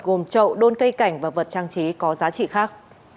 gồm trậu đôn cây cảnh và vật trang trí có giá trị khác